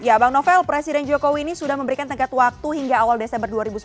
ya bang novel presiden jokowi ini sudah memberikan tengkat waktu hingga awal desember dua ribu sembilan belas